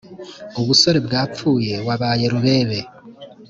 Ubusore bwapfuyeWabaye Rubebe